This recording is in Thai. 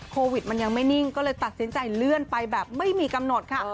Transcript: โควิดมันยังไม่นิ่งก็เลยตัดสินใจเลื่อนไปแบบไม่มีกำหนดค่ะ